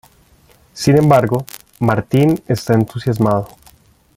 Sin embargo, Martin está entusiasmado.